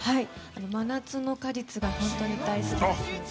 「真夏の果実」が本当に大好きです。